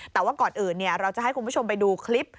แต่ว่าก่อนอื่นเราจะให้คุณผู้ชมไปดูคลิป